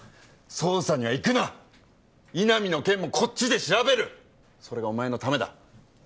捜査には行くな井波の件もこっちで調べるそれがお前のためだ